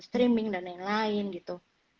streaming dan lain lain gitu